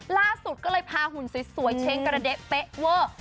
ล่าสุดก็เลยพาหุ่นสวยเช้งกระเด๊ะเป๊ะเวอร์